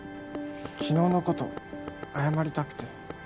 昨日のこと謝りたくて。